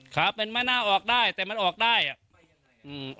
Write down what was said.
ครับมันไม่น่าออกได้แต่มันออกได้อ่ะ